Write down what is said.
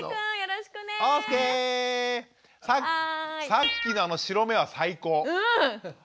さっきのあの白目は最高！